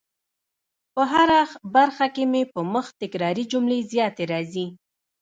په هره برخه کي مي په مخ تکراري جملې زیاتې راځي